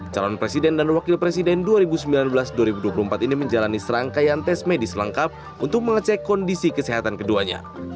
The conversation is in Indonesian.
calon presiden dan wakil presiden dua ribu sembilan belas dua ribu dua puluh empat ini menjalani serangkaian tes medis lengkap untuk mengecek kondisi kesehatan keduanya